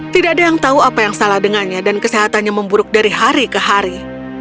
tidak ada yang tahu apa yang salah dengannya dan kesehatannya memburuk dari hari ke hari